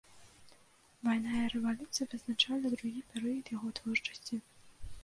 Вайна і рэвалюцыя вызначылі другі перыяд яго творчасці.